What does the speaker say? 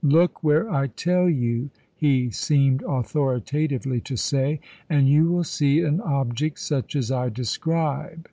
"Look where I tell you," he seemed authoritatively to say, "and you will see an object such as I describe."